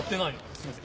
すいません。